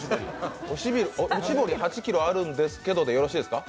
おしぼり８ｋｇあるんですけどでよろしいですか？